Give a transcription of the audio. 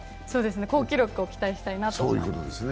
好記録を期待したいなと思います。